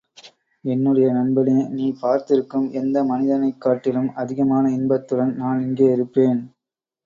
என்னுடைய நண்பனே, நீ பார்த்திருக்கும் எந்த மனிதனையும் காட்டிலும், அதிகமான இன்பத்துடன் நான் இங்கே இருப்பேன்.